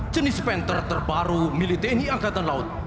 jenis panter terbaru militeni angkatan laut